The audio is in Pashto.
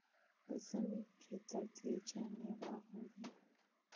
په ژمي کې ګرمې جامې اغوندئ.